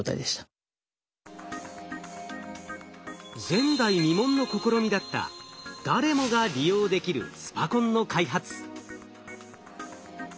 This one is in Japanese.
前代未聞の試みだった誰もが利用できるスパコンの開発。